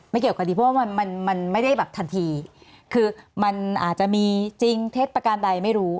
เกี่ยวกับคดีเพราะว่ามันมันไม่ได้แบบทันทีคือมันอาจจะมีจริงเท็จประการใดไม่รู้